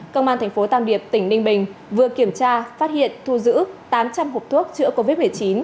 công an tp tam điệp tỉnh ninh bình vừa kiểm tra phát hiện thu giữ tám trăm linh hộp thuốc chữa covid một mươi chín